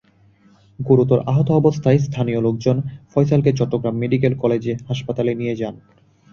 গুরুতর আহত অবস্থায় স্থানীয় লোকজন ফয়সালকে চট্টগ্রাম মেডিকেল কলেজ হাসপাতালে নিয়ে যান।